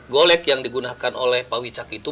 golek yang digunakan oleh pak wicak itu